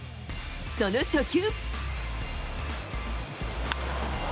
その初球。